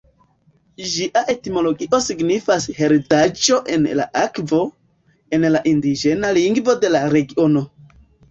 Gia etimologio signifas "heredaĵo en la akvo", en la indiĝena lingvo de la regiono.